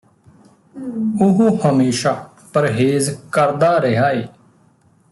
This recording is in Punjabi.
ਉਹ ਹਮੇਸ਼ਾ ਪਰਹੇਜ਼ ਕਰਦਾ ਰਿਹਾ ਏ